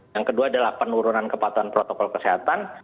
yang kedua adalah penurunan kepatuhan protokol kesehatan